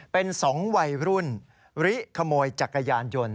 เป็น๒วัยรุ่นริขโมยจักรยานยนต์